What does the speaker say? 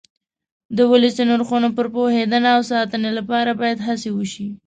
د ولسي نرخونو پر پوهېدنه او ساتنې لپاره باید هڅې وشي.